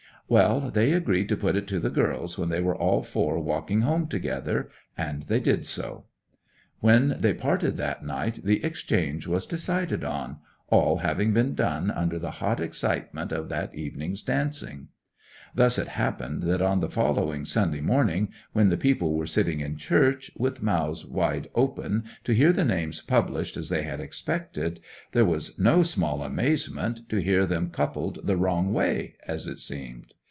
'Well, they agreed to put it to the girls when they were all four walking home together. And they did so. When they parted that night the exchange was decided on—all having been done under the hot excitement of that evening's dancing. Thus it happened that on the following Sunday morning, when the people were sitting in church with mouths wide open to hear the names published as they had expected, there was no small amazement to hear them coupled the wrong way, as it seemed.